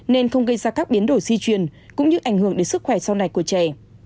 nên không gây ra các biến đổi di truyền cũng như ảnh hưởng đến sức khỏe sau này của trẻ